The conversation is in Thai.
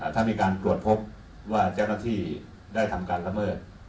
ถ้ามีการตรวจพบว่าเจ้าหน้าที่ได้ทำการละเมิด